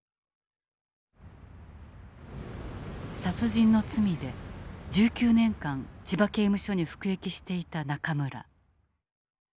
殺人の罪で１９年間千葉刑務所に服役していた中村。